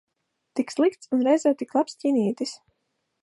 Tik slikts un reizē tik labs ķinītis.